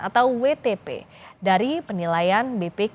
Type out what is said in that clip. atau wtp dari penilaian bpk